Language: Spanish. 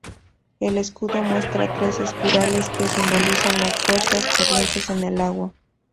El escudo muestra tres espirales que simbolizan las fuertes corrientes en el agua.